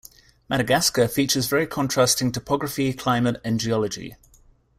Madagascar features very contrasting topography, climate, and geology.